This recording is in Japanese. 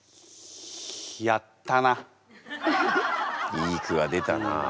いい句が出たな。